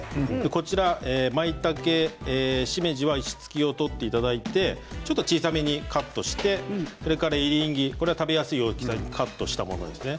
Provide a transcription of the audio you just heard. こちら、まいたけしめじは石突きを取っていただいて小さめにカットしてそれからエリンギこれは食べやすい大きさにカットしたものですね。